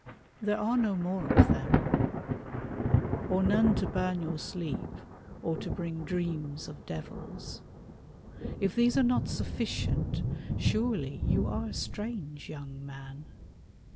There are no more of them Or none to burn your sleep, or to bring dreams Of devils. If these are not sufficient, surely You are a strange young man.